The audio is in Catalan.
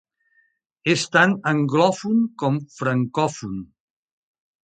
És tant anglòfon com francòfon.